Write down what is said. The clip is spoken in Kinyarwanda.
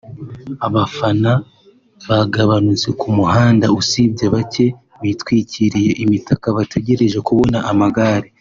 abafana bagabanutse ku muhanda usibye bake bitwikiriye imitaka bategereje kubona amagare